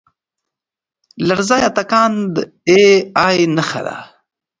لرزه یا تکان د اې ای نښه ده.